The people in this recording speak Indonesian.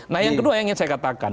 nah yang kedua yang ingin saya katakan